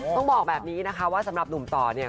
ต้องบอกแบบนี้นะคะว่าสำหรับหนุ่มต่อเนี่ย